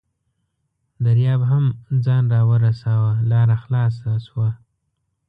دریاب هم ځان راورساوه، لاره خلاصه شوه.